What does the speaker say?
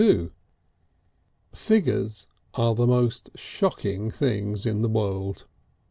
III Figures are the most shocking things in the world.